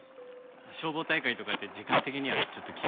消防大会とかあって時間的にはちょっと厳しいんですけど。